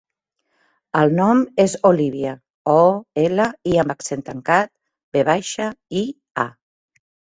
El nom és Olívia: o, ela, i amb accent tancat, ve baixa, i, a.